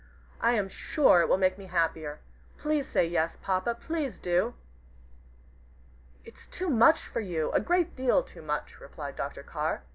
I am sure it will make me happier. Please say 'Yes,' Papa, please do!" "It's too much for you, a great deal too much," replied Dr. Carr.